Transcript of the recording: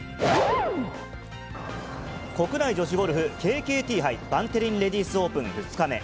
国内女子ゴルフ、ＫＫＴ杯バンテリンレディスオープン２日目。